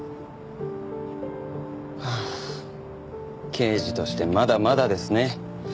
刑事としてまだまだですね。